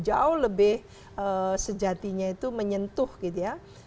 jauh lebih sejatinya itu menyentuh gitu ya